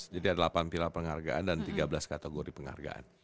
jadi ada delapan pilihan penghargaan dan tiga belas kategori penghargaan